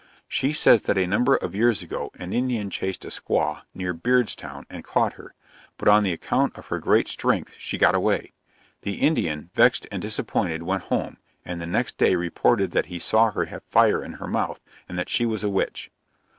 She says that a number of years ago, an Indian chased a squaw, near Beard's Town, and caught her; but on the account of her great strength she got away. The Indian, vexed and disappointed, went home, and the next day reported that he saw her have fire in her mouth, and that she was a witch.